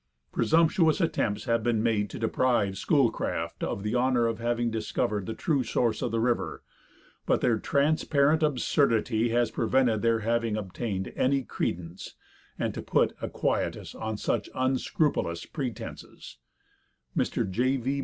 Presumptuous attempts have been made to deprive Schoolcraft of the honor of having discovered the true source of the river, but their transparent absurdity has prevented their having obtained any credence, and to put a quietus on such unscrupulous pretenses, Mr. J. V.